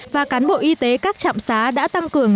và cán bộ y tế các trạm xá đã tăng cường